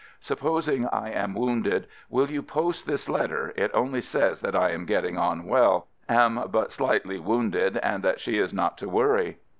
Supposing I am wounded, will you post this letter — it only says that I am getting on well — am but slightly wounded and that she is not to worry."